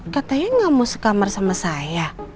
katanya gak mau sekamar sama saya